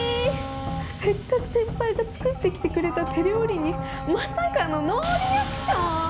せっかく先輩が作ってきてくれた手料理にまさかのノーリアクション！？